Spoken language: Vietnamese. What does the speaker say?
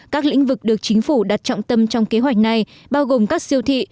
các lĩnh vực được chính phủ đặt trọng tâm trong kế hoạch này bao gồm các siêu thị